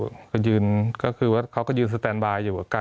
มีความรู้สึกว่ามีความรู้สึกว่ามีความรู้สึกว่ามีความรู้สึกว่า